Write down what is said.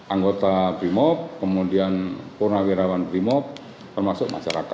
anggota primok kemudian purnawirawan primok termasuk masyarakat juga